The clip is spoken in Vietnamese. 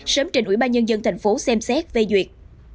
sớm trên ủy ba nhân dân thành phố xem xét vây duyệt